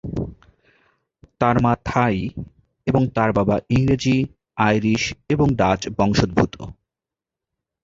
তার মা থাই এবং তার বাবা ইংরেজি, আইরিশ এবং ডাচ বংশোদ্ভূত।